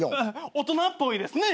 大人っぽいですね。